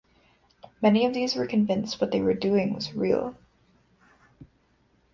Many of these were convinced what they were doing was "real".